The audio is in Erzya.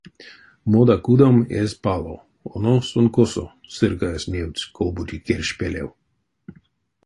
Мода кудом эзь пало, о-но сон косо! — сырькаесь невтсь ков-бути керш пелев.